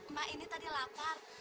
mak ini tadi lapar